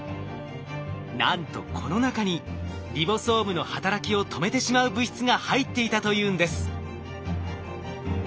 なんとこの中にリボソームの働きを止めてしまう物質が入っていたというんです！